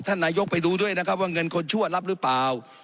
นายกไปดูด้วยนะครับว่าเงินคนชั่วรับหรือเปล่า